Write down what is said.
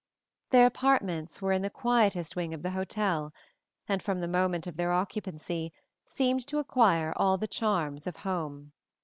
Their apartments were in the quietest wing of the hotel, and from the moment of their occupancy seemed to acquire all the charms of home.